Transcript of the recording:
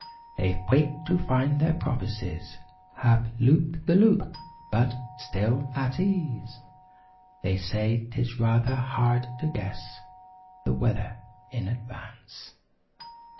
They wake to find their prophecies Have "looped the loop"—but, still at ease. They say 'tis rather hard to guess The weather in advance.